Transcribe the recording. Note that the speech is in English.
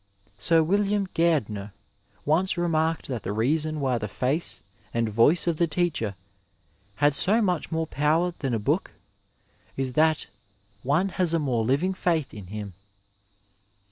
Sir William Gairdner once remarked that the reason why the face and voice of the teacher had so much more power than a book is that one has a more living faith in him.